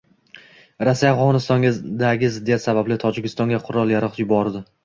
Rossiya Afg‘onistondagi ziddiyat sababli Tojikistonga qurol-yarog‘ yubordi